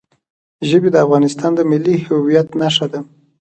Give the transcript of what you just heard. ژبې د افغانستان د ملي هویت نښه ده.